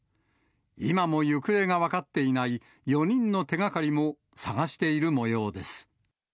今も行方が分かっていない４人の手がかりも捜しているもようです。